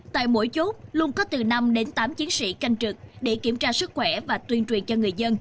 tại mỗi chốt luôn có từ năm đến tám chiến sĩ canh trực để kiểm tra sức khỏe và tuyên truyền cho người dân